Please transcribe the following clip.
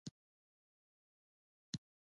دی یواځي ووت، میثاقونه یې لا پاتې دي